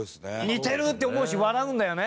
似てるって思うし笑うんだよね。